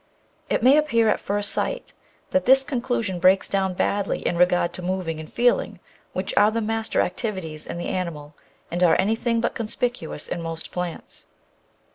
It may appear at first sight that this conclusion breaks down badly in regard to moving and feeling, which are the master ac tivities in the animal and are anything but conspicuous in most plants.